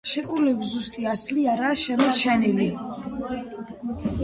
ხელშეკრულების ზუსტი ასლი არა შემორჩენილი.